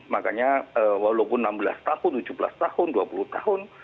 makanya walaupun enam belas tahun tujuh belas tahun dua puluh tahun